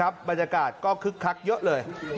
บรรยากาศก็คื้กคลักษมณ์เยอะเลย